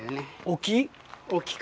おき？